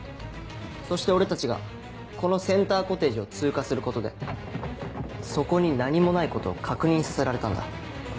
そして俺たちがこのセンターコテージを通過することでそこに何もないことを確認させられたんだ。